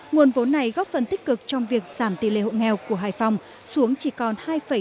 nguồn vốn này góp phần tích cực trong việc giảm tỷ lệ hộ nghèo của hải phòng xuống chỉ còn hai bảy mươi